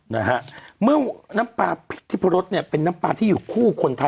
นะฮะเมื่อน้ำปลาพริกทิพรสเนี่ยเป็นน้ำปลาที่อยู่คู่คนไทย